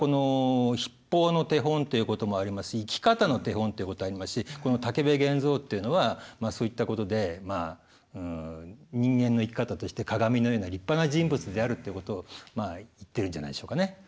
筆法の手本ということもありますし生き方の手本ということもありますしこの武部源蔵というのはそういったことで人間の生き方として鑑のような立派な人物であるっていうことを言ってるんじゃないでしょうかね。